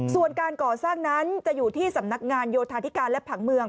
ส่วนการก่อสร้างนั้นจะอยู่ที่สำนักงานโยธาธิการและผังเมือง